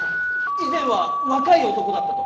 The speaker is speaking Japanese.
以前は若い男だったと。